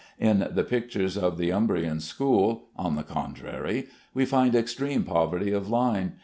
In the pictures of the Umbrian school, on the contrary, we find extreme poverty of line.